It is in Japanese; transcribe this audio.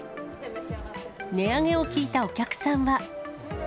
値上げを聞いたお客さんは。